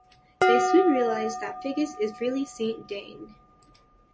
They soon realize that Figgis is really Saint Dane.